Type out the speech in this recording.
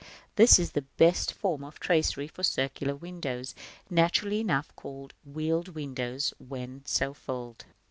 This is the best form of tracery for circular windows, naturally enough called wheel windows when so filled.